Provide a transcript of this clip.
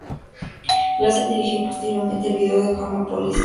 Glazer dirigió posteriormente el vídeo de "Karma Police".